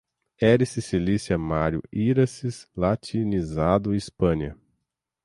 Érice, Sicília, Mário, Híraces, latinizado, Hispânia